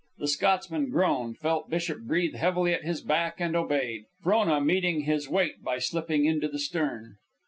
The Scotsman groaned, felt Bishop breathe heavily at his back, and obeyed; Frona meeting his weight by slipping into the stern.